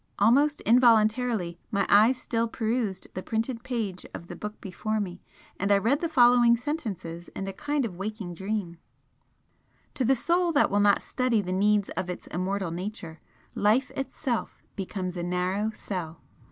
Almost involuntarily my eyes still perused the printed page of the book before me, and I read the following sentences in a kind of waking dream: "To the Soul that will not study the needs of its immortal nature, life itself becomes a narrow cell.